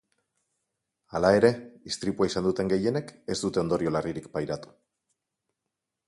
Hala ere, istripua izan duten gehienek ez dute ondorio larririk pairatu.